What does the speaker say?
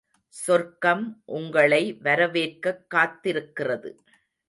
சொர்க்கம் உங்களை வரவேற்கக் காத்திருக்கிறது.